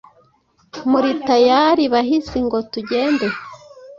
muri tayari bahizi ngo tugende